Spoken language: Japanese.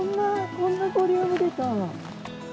こんなボリューム出た？